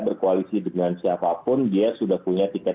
berkoalisi dengan siapapun dia sudah punya tiket